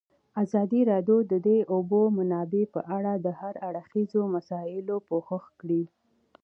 ازادي راډیو د د اوبو منابع په اړه د هر اړخیزو مسایلو پوښښ کړی.